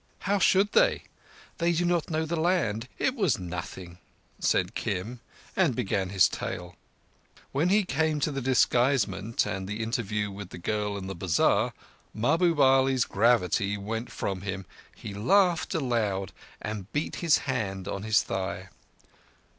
"How should they? They do not know the land. It was nothing," said Kim, and began his tale. When he came to the disguisement and the interview with the girl in the bazar, Mahbub Ali's gravity went from him. He laughed aloud and beat his hand on his thigh.